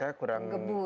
saya kurang lebih